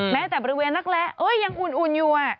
แม้แต่บริเวณนักและยังอุ่นอยู่